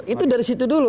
itu dari situ dulu